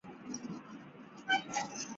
大业三年。